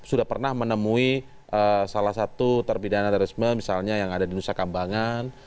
sudah pernah menemui salah satu terpidana terorisme misalnya yang ada di nusa kambangan